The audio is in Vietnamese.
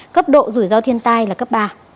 cấp độ rủi ro thiên tai là cấp ba